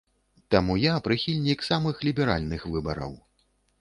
Таму я прыхільнік самых ліберальных выбараў.